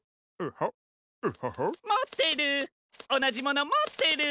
もってる！